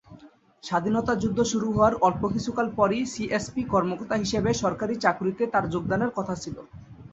স্বাধীনতা যুদ্ধ শুরু হওয়ার অল্প কিছুকাল পরই সিএসপি কর্মকর্তা হিসাবে সরকারি চাকুরিতে তার যোগদানের কথা ছিলো।